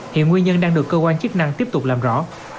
hiện nguyên nhân đang được cơ quan chức năng tiếp tục làm rõ